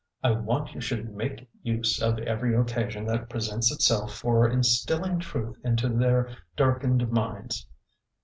I want you should make use of every occasion that presents itself for instilling truth into their darkened minds.